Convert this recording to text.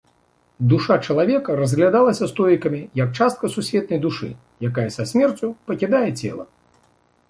Душа чалавека разглядалася стоікамі як частка сусветнай душы, якая са смерцю пакідае цела.